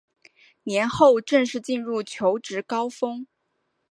年后正式进入求职高峰